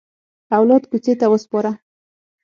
اولاد کوڅې ته وسپاره.